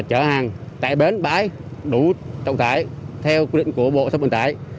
chở hàng tại bến bãi đủ trọng tải theo quy định của bộ xác bệnh tải